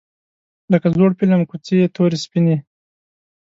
لکه زوړ فیلم کوڅې یې تورې سپینې